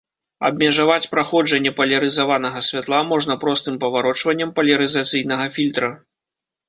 Абмежаваць праходжанне палярызаванага святла можна простым паварочваннем палярызацыйнага фільтра.